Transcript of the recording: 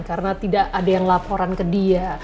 karena tidak ada yang laporan ke dia